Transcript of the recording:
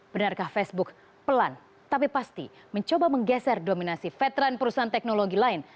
benarkah facebook pelan tapi pasti mencoba menggeser dominasi veteran perusahaan teknologi lain